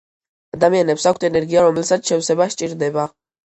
ადამიანებს აქვთ ენერგია რომელსაც შევსება სჭირდება